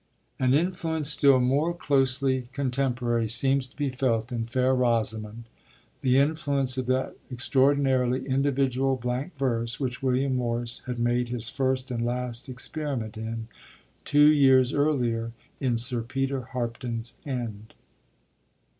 An influence still more closely contemporary seems to be felt in Fair Rosamond, the influence of that extraordinarily individual blank verse which William Morris had made his first and last experiment in, two years earlier, in Sir Peter Harpdon's End.